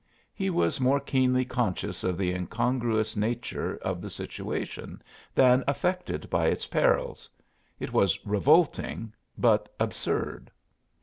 He was more keenly conscious of the incongruous nature of the situation than affected by its perils; it was revolting, but absurd.